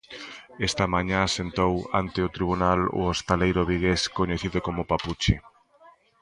Esta mañá sentou ante o tribunal o hostaleiro vigués coñecido como Papuchi.